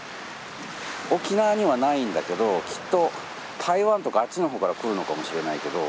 沖縄にはないんだけどきっと台湾とかあっちのほうから来るのかもしれないけど。